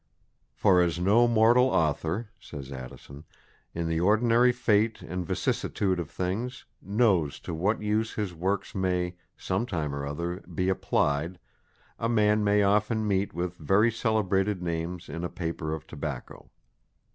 "For as no mortal author," says Addison, "in the ordinary fate and vicissitude of things, knows to what use his works may, some time or other, be applied, a man may often meet with very celebrated names in a paper of tobacco.